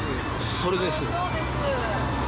そうです。